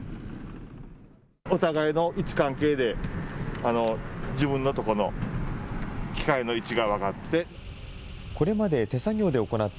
お互いの位置関係で、自分のとこの機械の位置が分かって。